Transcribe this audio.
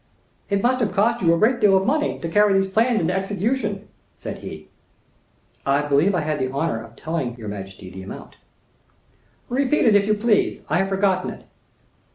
"It must have cost you a great deal of money to carry these plans into execution," said he. "I believe I had the honor of telling your majesty the amount." "Repeat it if you please, I have forgotten it."